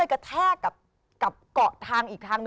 กระแทกก่อทางอีกทาง